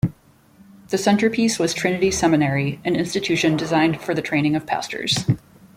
The center-piece was Trinity Seminary, an institution designed for the training of pastors.